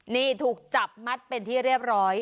นี่ถูกจับมัดเป็นที่เรียบร้อย